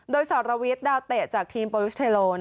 โดยทรวิทย์ดาวเตะจากทีมปอลลูชเทโล